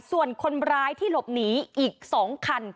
ส่วนคนร้ายที่หลบหนีอีก๒คัน